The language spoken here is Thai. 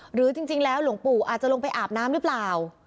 หรือจริงแล้วหลวงปู่อาจจะลงไปอาบน้ำหรือเปล่า